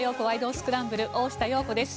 スクランブル』大下容子です。